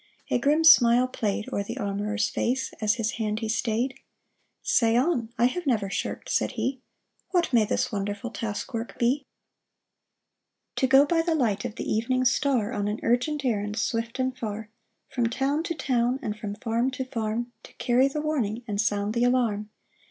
A grim smile played O'er the armorer's face as his hand he stayed. " Say on. I never have shirked," said he ;" What may this wonderful task work be ?"" To go by the light of the evening star On an urgent errand, swift and far — From town to town and from farm to farm To carry the warning and sound the alarm